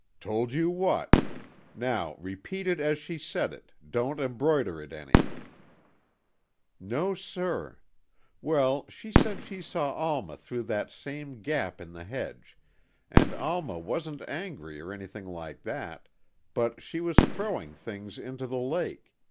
"Told you what? Now, repeat it as she said it, don't embroider it any." "No, sir. Well, she said she saw Alma through that same gap in the hedge, and Alma wasn't angry or anything like that, but she was throwing things into the lake.